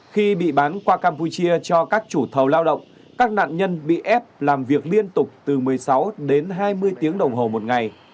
khi bị bán qua campuchia cho các chủ thầu lao động các nạn nhân bị ép làm việc liên tục từ một mươi sáu đến hai mươi tiếng đồng hồ một ngày